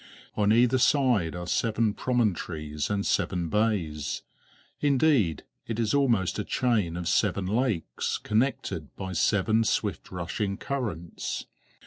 On either side are seven promontories and seven bays; indeed, it is almost a chain of seven lakes, connected by seven swift rushing currents.